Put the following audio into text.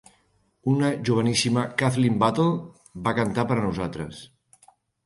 Una joveníssima Kathleen Battle va cantar per a nosaltres.